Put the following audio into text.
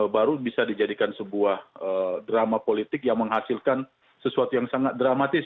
baru bisa dijadikan sebuah drama politik yang menghasilkan sesuatu yang sangat dramatis